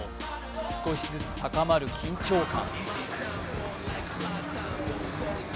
少しずつ高まる緊張感。